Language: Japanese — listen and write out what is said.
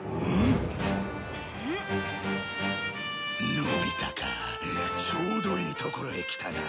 のび太かちょうどいいところへ来たな。